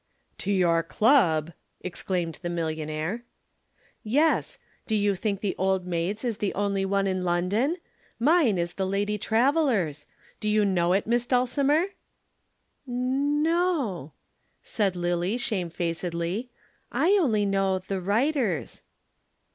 "To your club!" exclaimed the millionaire. "Yes do you think the Old Maids' is the only one in London? Mine is the Lady Travellers' do you know it, Miss Dulcimer?" "No o," said Lillie shamefacedly. "I only know the Writers'."